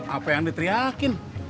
apa yang diteriakin